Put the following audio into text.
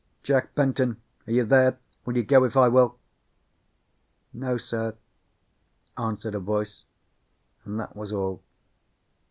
"Jack Benton, are you there? Will you go if I will?" "No, sir," answered a voice; and that was all.